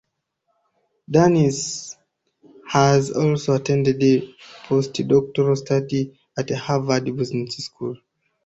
Dans has also attended postdoctoral studies at Harvard Business School.